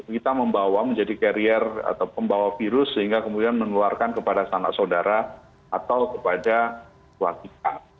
kita membawa menjadi carrier atau pembawa virus sehingga kemudian menularkan kepada sanak saudara atau kepada keluarga